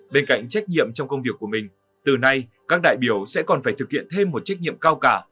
bên cạnh trách nhiệm trong công việc của mình từ nay các đại biểu sẽ còn phải thực hiện thêm một trách nhiệm cao cả